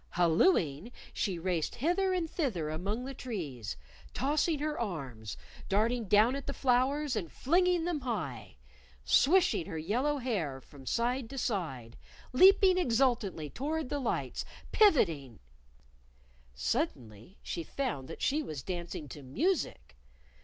Hallooing, she raced hither and thither among the trees, tossing her arms, darting down at the flowers and flinging them high, swishing her yellow hair from side to side, leaping exultantly toward the lights, pivoting Suddenly she found that she was dancing to music!